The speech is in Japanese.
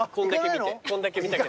こんだけ見たけど。